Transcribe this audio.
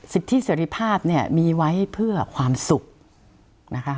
สิทธิเสร็จภาพมีไว้เพื่อความสุขนะคะ